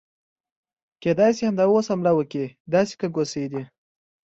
کېدای شي همدا اوس حمله وکړي، داسې ګنګوسې دي.